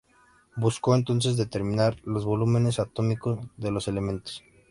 Buscó, entonces, determinar los volúmenes atómicos de los elementos.